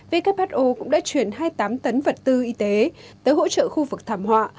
who cũng đã chuyển hai mươi tám tấn vật tư y tế tới hỗ trợ khu vực thảm họa